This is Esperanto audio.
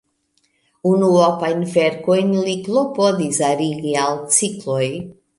Unuopajn verkojn li klopodis arigi al cikloj.